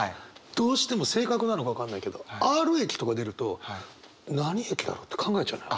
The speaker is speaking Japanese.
どうしても性格なのか分かんないけどＲ駅とか出ると何駅だろう？って考えちゃうのよ。